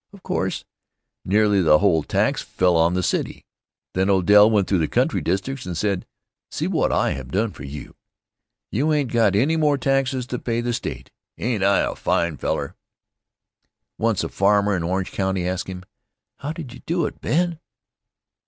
Of course, nearly the whole tax fell on the city. Then Odell went through the country districts and said: "See what I have done for you. You ain't got any more taxes to pay the State. Ain't I a fine feller?" Once a farmer in Orange County asked him: "How did you do it, Ben?"